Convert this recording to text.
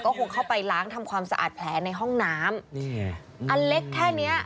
คงเข้าไปล้างทำความสะอาดแผลในห้องน้ำนี่ไงอันเล็กแค่เนี้ย